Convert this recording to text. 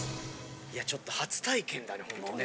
いやちょっと初体験だねほんとね。